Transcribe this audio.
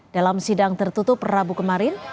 dalam sidang tertutup rabu kemarin